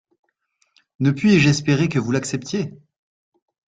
Ne puis-je espérer que vous l'acceptiez!